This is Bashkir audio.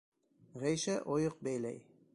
Ғәйшә ойоҡ бәйләй